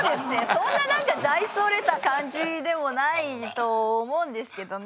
そんななんか大それた感じでもないと思うんですけどね。